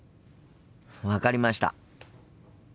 分かりました。